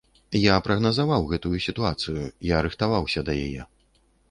Я прагназаваў гэтую сітуацыю, я рыхтаваўся да яе.